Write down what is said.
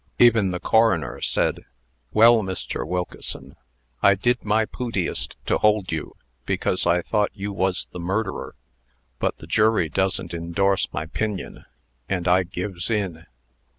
Even the coroner said, "Well, Mr. Wilkeson, I did my pootiest to hold you, because I thought you was the murderer; but the jury doesn't indorse my 'pinion, and I gives in."